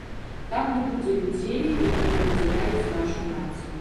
Там не будзе людзей, якія падзяляюць нашу нацыю.